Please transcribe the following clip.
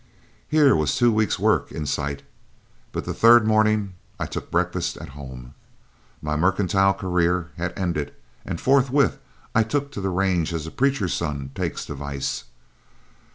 Here was two weeks' work in sight, but the third morning I took breakfast at home. My mercantile career had ended, and forthwith I took to the range as a preacher's son takes to vice.